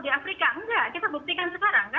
di afrika enggak kita buktikan sekarang